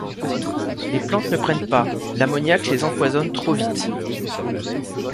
Les plantes ne prennent pas, l'ammoniac les empoisonne trop vite.